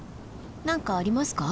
何かありますか？